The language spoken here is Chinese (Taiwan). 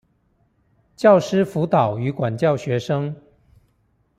教師輔導與管教學生